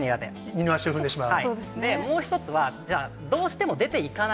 二の足を踏んでしまう？